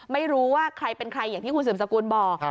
ไม่รู้ว่าใครเป็นใครอย่างที่คุณสืบสกุลบอก